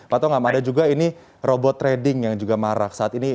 pak tongam ada juga ini robot trading yang juga marak saat ini